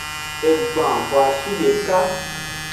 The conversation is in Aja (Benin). Egban hoashideka.